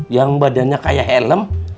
yang badannya kayak helm